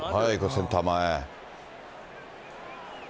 センター前。